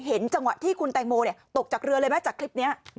เห็นจังหวะที่คุณแตงโมตกจากเรือเลยไหมจากคลิปนี้